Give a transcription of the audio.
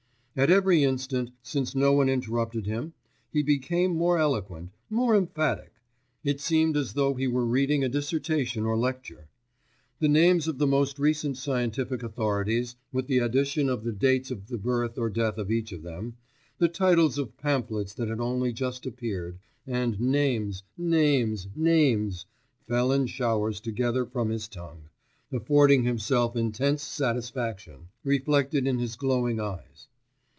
At every instant, since no one interrupted him, he became more eloquent, more emphatic; it seemed as though he were reading a dissertation or lecture. The names of the most recent scientific authorities with the addition of the dates of the birth or death of each of them the titles of pamphlets that had only just appeared, and names, names, names ... fell in showers together from his tongue, affording himself intense satisfaction, reflected in his glowing eyes.